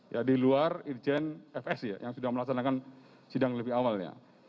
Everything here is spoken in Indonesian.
ya di luar irjen fs ya yang sudah melaksanakan sidang lebih awalnya